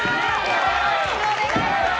よろしくお願いします！